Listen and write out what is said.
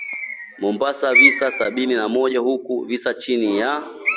Mombasa visa sabini na moja huku visa chini ya